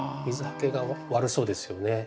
水はけが悪そうですよね。